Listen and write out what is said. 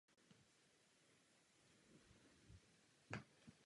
Kevin se vyrábí v několika provedeních s různou povrchovou úpravou.